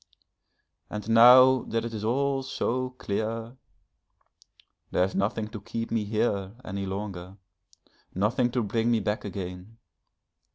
And now that it is all so clear, there is nothing to keep me here any longer, nothing to bring me back again.